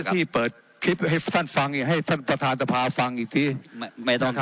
เจ้าหน้าที่เปิดคลิปให้ท่านฟังให้ท่านประธานทภาษณ์ฟังอีกทีนะครับ